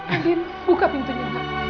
indin buka pintunya